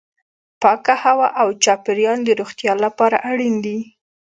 پاکه هوا او چاپیریال د روغتیا لپاره اړین دي.